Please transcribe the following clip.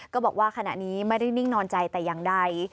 ก็บอกว่าขณะนี้ไม่ได้นิ่งนอนใจแต่อย่างใด